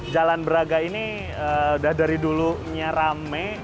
jalan braga ini dari dulunya ramai